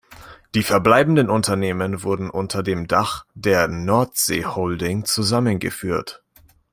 Die verbleibenden Unternehmen wurden unter dem Dach der "Nordsee Holding" zusammengeführt.